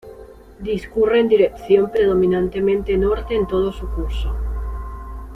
Discurre en dirección predominantemente norte en todo su curso.